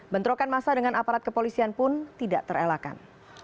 bentrokan masa dengan aparat kepolisian pun tidak terelakkan